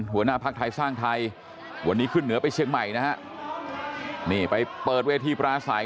หัวหน้าภักดิ์ไทยสร้างไทยวันนี้ขึ้นเหนือไปเชียงใหม่นะฮะนี่ไปเปิดเวทีปราศัย